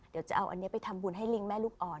เดี๋ยวจะเอาอันนี้ไปทำบุญให้ลิงแม่ลูกอ่อน